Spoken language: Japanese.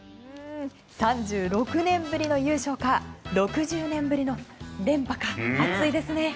３６年ぶりの優勝か６０年ぶりの連覇か熱いですね。